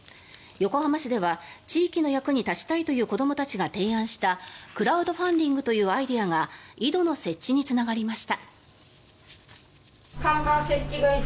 横浜市では地域の役に立ちたいという子どもたちが提案したクラウドファンディングというアイデアが井戸の設置につながりました。